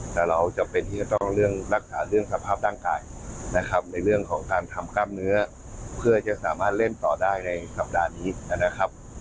แต่เราจำเป็นที่จะต้องเรื่องรักษาเรื่องสภาพร่างกายนะครับในเรื่องของการทำกล้ามเนื้อเพื่อจะสามารถเล่นต่อได้ในสัปดาห์นี้นะครับ